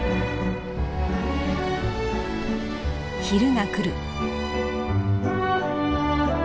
昼が来る。